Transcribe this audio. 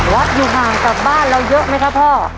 อยู่ห่างกับบ้านเราเยอะไหมครับพ่อ